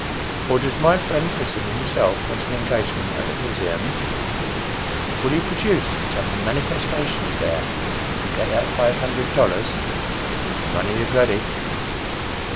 Or does my friend Brittan himself want an engagement at the Museum? Will he produce some "manifestations" there, and get that $500? the money is ready!